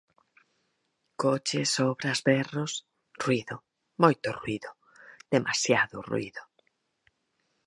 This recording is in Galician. Coches, obras, berros... ruído, moito ruído, demasiado ruído.